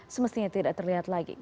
semestinya tidak terlihat lagi